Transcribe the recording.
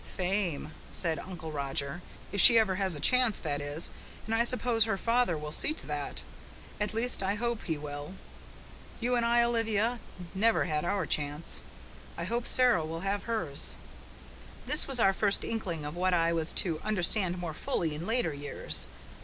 "Fame," said Uncle Roger. "If she ever has a chance, that is, and I suppose her father will see to that. At least, I hope he will. You and I, Olivia, never had our chance. I hope Sara will have hers." This was my first inkling of what I was to understand more fully in later years.